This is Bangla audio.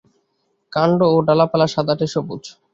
কাণ্ড ও ডালপালা সাদাটে সবুজ।